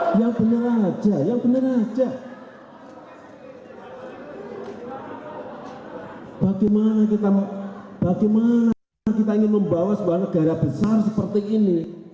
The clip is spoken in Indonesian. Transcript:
dan bagaimana kita ingin membawa sebuah negara besar seperti ini